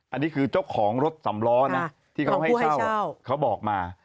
อันนี้คือเจ้าของรถสำล้อนะที่เขาให้เช่าเขาบอกมา